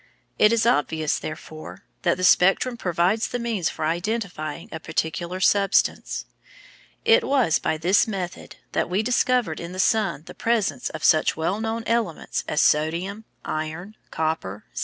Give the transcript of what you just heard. It is obvious, therefore, that the spectrum provides the means for identifying a particular substance._ It was by this method that we discovered in the sun the presence of such well known elements as sodium, iron, copper, zinc, and magnesium.